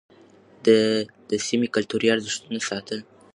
ده د سيمې کلتوري ارزښتونه ساتل.